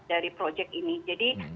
dari proyek ini jadi